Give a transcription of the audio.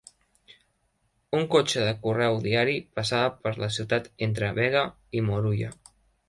Un cotxe de correu diari passava per la ciutat entre Bega i Moruya.